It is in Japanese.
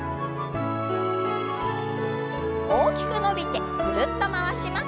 大きく伸びてぐるっと回します。